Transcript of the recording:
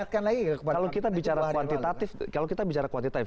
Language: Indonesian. kalau kita bicara kuantitatif